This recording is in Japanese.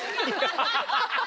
ハハハハ。